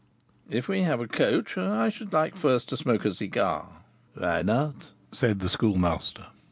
"If we have a coach, I should like first to smoke a cigar." "Why not?" said the Schoolmaster.